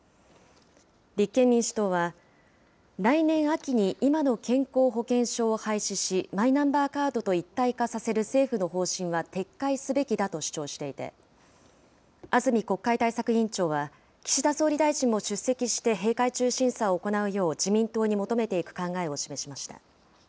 立憲民主党は、来年秋に今の健康保険証を廃止し、マイナンバーカードと一体化させる政府の方針は撤回すべきだと主張していて、安住国会対策委員長は、岸田総理大臣も出席して閉会中審査を行うよう自民党に求めていく考えを示しました。